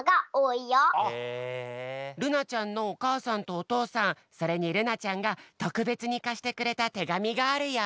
るなちゃんのおかあさんとおとうさんそれにるなちゃんがとくべつにかしてくれたてがみがあるよ！